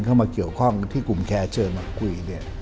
เข้ามาเกี่ยวข้องที่กลุ่มแคร์เชิญมาคุยเนี่ย